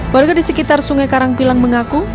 warga di sekitar sungai karangpilang mengaku